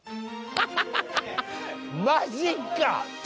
マジか。